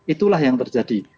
itulah yang terjadi